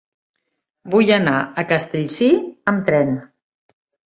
Vull anar a Castellcir amb tren.